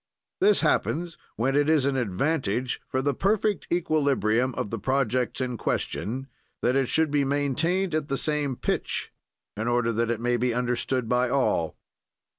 "This happens when it is an advantage, for the perfect equilibrium of the projects in question, that it should be maintained at the same pitch, in order that it may be understood by all.